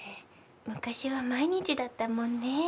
昔は毎日だったもんね。